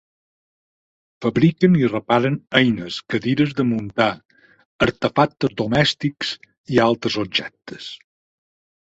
Fabriquen i reparen eines, cadires de muntar, artefactes domèstics i altres objectes.